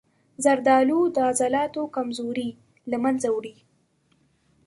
زردآلو د عضلاتو کمزوري له منځه وړي.